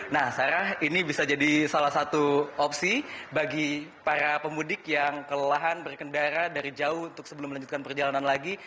nah sarah ini bisa jadi salah satu opsi bagi para pemudik yang kelelahan berkendara dari jauh untuk sebelum melanjutkan perjalanan lagi